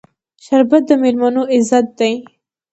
شربت د میلمنو عزت دی